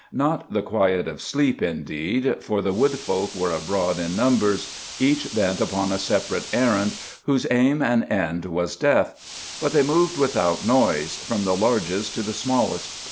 Not the quiet of sleep, indeed, for the wood folk were abroad in numbers, each bent upon a separate errand whose aim and end was death. But they moved without noise, from the largest to the smallest.